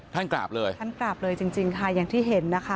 กราบเลยท่านกราบเลยจริงจริงค่ะอย่างที่เห็นนะคะ